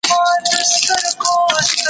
بې سرحده یې قدرت او سلطنت دئ